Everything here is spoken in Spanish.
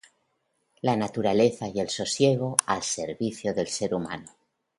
La naturaleza y el sosiego al servicio del ser humano.